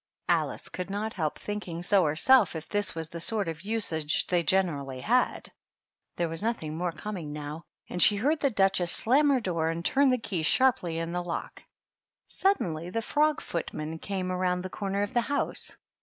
Alice could not help thinking so herself, if this was the sort of usage they generally had. There was notliing more coming now, and she heard the Duchess slam her door and turn the key sharply in the lock. Suddenly the frog footman came round the corner of the house.